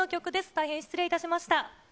大変失礼いたしました。